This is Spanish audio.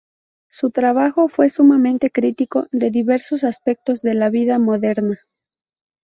Su trabajo fue sumamente crítico de diversos aspectos de la vida moderna.